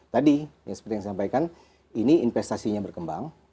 tadi seperti yang saya sampaikan ini investasinya berkembang